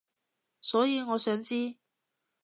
所以我想知